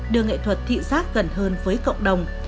đưa nghệ thuật thị giác gần hơn với cộng đồng